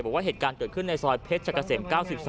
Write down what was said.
บอกว่าเหตุการณ์เกิดขึ้นในซอยเพชรชะเกษม๙๒